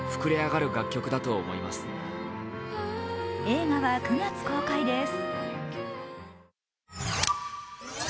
映画は９月公開です。